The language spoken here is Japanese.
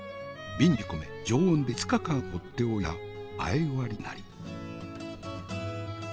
瓶に閉じ込め常温で５日間ほっておいた前割りなり。